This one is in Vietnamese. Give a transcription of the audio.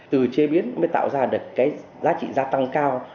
từ chế biến mới tạo ra được cái giá trị gia tăng cao